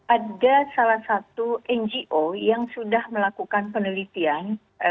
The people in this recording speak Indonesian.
ada salah satu ngo yang sudah melakukan penelitian